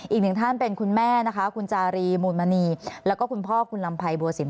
อีกหนึ่งท่านเป็นคุณแม่นะคะคุณจารีมูลมณีแล้วก็คุณพ่อคุณลำไพบัวสิน